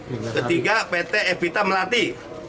ketiga pt evita melati